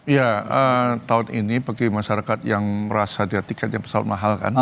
ya tahun ini bagi masyarakat yang merasa dia tiket yang besar mahal kan